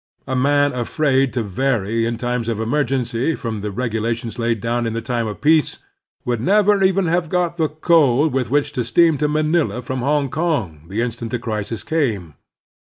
A man afraid to vary in times of emergency from the regulations laid down in time of peace would never even have got the coal with which to steam to Manila from Hongkong the instant the crisis came.